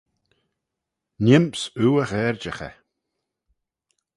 Neem's oo y gherjaghey.